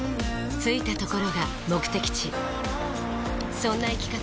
着いたところが目的地そんな生き方